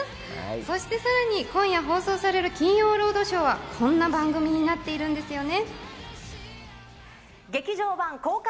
そしてさらに今夜放送される『金曜ロードショー』はこんな番組になっているんですよね。